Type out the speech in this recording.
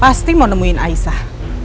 pasti mau nemuin aisyah